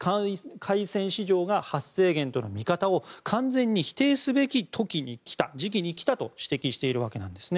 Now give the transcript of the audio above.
海鮮市場が発生源との見方を完全に否定すべき時期にきたと指摘しているわけなんです。